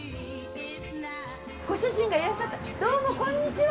ご主人がいらっしゃったどうもこんにちは。